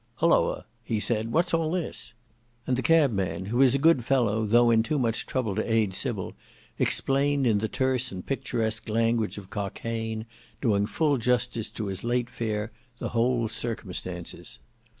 "Hilloa," he said, "what's all this?" And the cabman, who was a good fellow though in too much trouble to aid Sybil, explained in the terse and picturesque language of Cockaigne, doing full justice to his late fare, the whole circumstances.